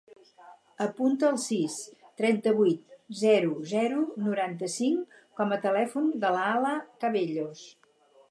Apunta el sis, trenta-vuit, zero, zero, noranta-cinc com a telèfon de l'Alaa Cabellos.